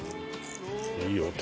いい音！